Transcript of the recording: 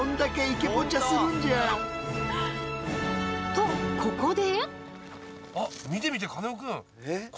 とここで。